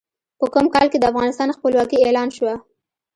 په کوم کال کې د افغانستان خپلواکي اعلان شوه؟